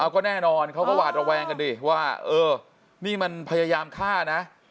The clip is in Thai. ก็แน่นอนเขาก็หวาดระแวงกันดิว่าเออนี่มันพยายามฆ่านะ